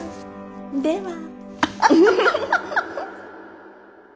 では。